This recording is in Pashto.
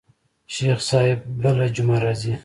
شيخ صاحب بله جمعه راځي.